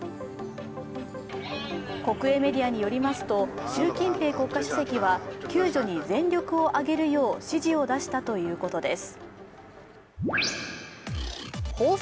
国営メディアによりますと習近平国家主席は救助に全力を挙げるよう指示を出したということです。